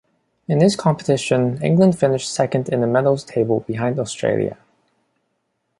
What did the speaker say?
In this competition England finished second in the medals table behind Australia.